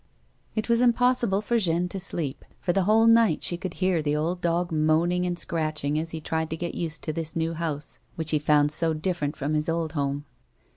It was impossible for Jeanne to sleep, for the whole night she could hear the old dog moaning and scratching as he tried to get used to this new house which he found so different from his old home.